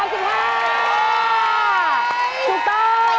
สูตร